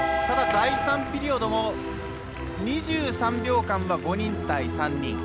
ただ、第３ピリオドも２３秒間は５人対３人。